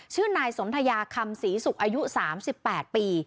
ชื่นนายสนธยาคำศรีสุขอายุสามสิบแปดปี